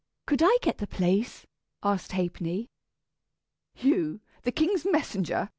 "Could I get the place?" asked Ha'penny. "You, the king's messenger!"